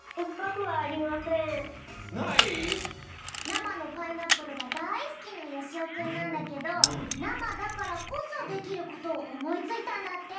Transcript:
なまのパイナップルがだいすきなよしおくんなんだけどなまだからこそできることをおもいついたんだって。